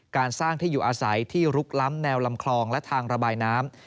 การสร้างที่อยู่อาศัยที่ลุกล้ำแนวลำคลองและทางระบายน้ำ